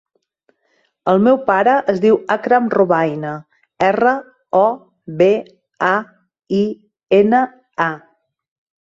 El meu pare es diu Akram Robaina: erra, o, be, a, i, ena, a.